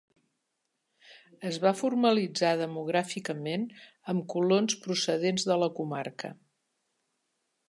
Es va formalitzar demogràficament amb colons procedents de la comarca.